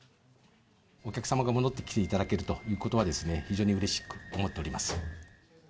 お客様が戻ってきていただけるということは、非常にうれしく思っております。